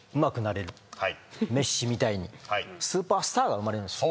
メッシみたいにスーパースターが生まれるんですよ。